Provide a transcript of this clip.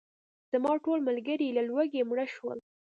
زما ټول ملګري له لوږې مړه شول.